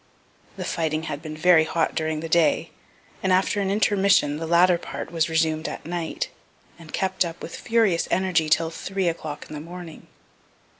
The fighting had been very hot during the day, and after an intermission the latter part, was resumed at night, and kept up with furious energy till 3 o'clock in the morning.